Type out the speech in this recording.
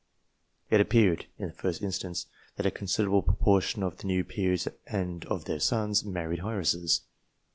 It appeared, in the first instance, that a con siderable proportion of the new peers and of their sons married heiresses.